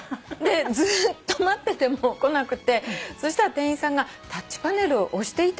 ずーっと待ってても来なくてそしたら店員さんがタッチパネル押していただきました？